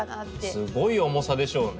すごい重さでしょうね。